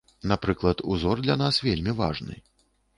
Напрыклад, узор для нас вельмі важны.